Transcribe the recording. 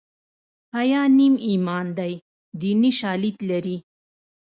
حیا نیم ایمان دی دیني شالید لري